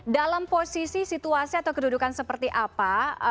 dalam posisi situasi atau kedudukan seperti apa